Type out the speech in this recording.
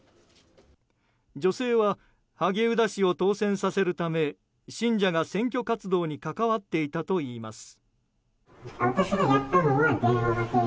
女性は萩生田氏を当選させるため信者が選挙活動に関わっていたといいます。